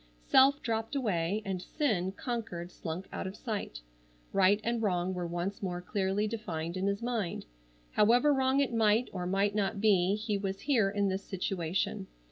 Self dropped away, and sin, conquered, slunk out of sight. Right and Wrong were once more clearly defined in his mind. However wrong it might or might not be he was here in this situation.